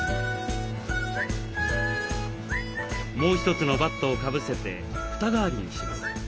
もう一つのバットをかぶせて蓋代わりにします。